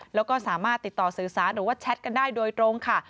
แล้วก็สามารถติดต่อสื่อสารหรือว่าแชทกันได้โดยตรงค่ะ